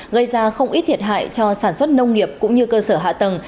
gây ra không ít thiệt hại cho sản xuất nông nghiệp cũng như cơ sở hạ tầng